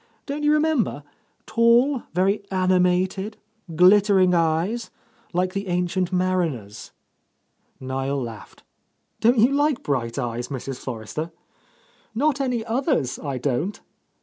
Don't you re member? Tall, very animated, glittering eyes, like the Ancient Mariner's?" Niel laughed. "Don't you like bright eyes, Mrs. Forrester?" "Not any others, I don't!"